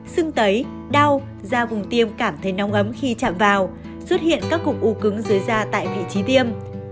sưng tấy đau da vùng tiêm cảm thấy nóng ấm khi chạm vào xuất hiện các cục u cứng dưới da tại vị trí tiêm